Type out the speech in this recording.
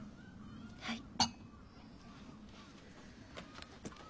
はい。